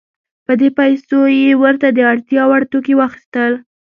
په دې پیسو یې ورته د اړتیا وړ توکي واخیستل.